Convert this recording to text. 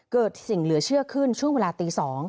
เกิดสิ่งเหลือเชื่อขึ้นช่วงเวลาตี๒